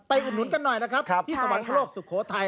อุดหนุนกันหน่อยนะครับที่สวรรคโลกสุโขทัย